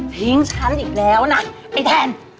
ทิ้งฉันอีกแล้วนะไอ้แทน